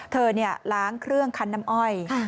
ล้างเครื่องคันน้ำอ้อย